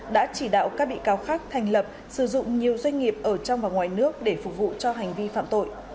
đã chỉ đạo các bị cáo khác thành lập sử dụng nhiều doanh nghiệp ở trong và ngoài nước để phục vụ cho hành vi phạm tội